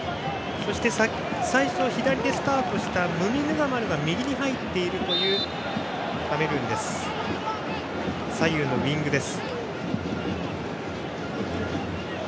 そして最初左でスタートしたムミヌガマルが右に入っているというカメルーンの左右のウイングです。